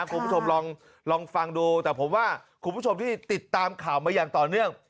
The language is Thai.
คุณผู้ชมลองฟังดูแต่ผมว่าคุณผู้ชมที่ติดตามข่าวมาอย่างต่อเนื่อง